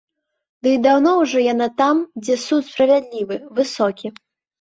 Ды і даўно ўжо яна там, дзе суд справядлівы, высокі.